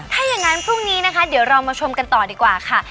ถ้าอย่างนั้นพรุ่งนี้นะคะเดี๋ยวเรามาชมกันต่อดีกว่าค่ะ